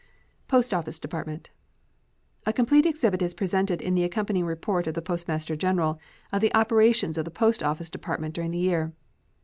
POST OFFICE DEPARTMENT. A complete exhibit is presented in the accompanying report of the Postmaster General of the operations of the Post Office Department during the year.